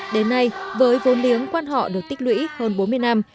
đến nay với vốn liếng quan họ được tích lũy hơn bốn mươi năm